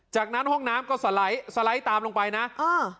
จากนั้นห้องน้ำก็สไลด์สไลด์ตามลงไปนะอ่า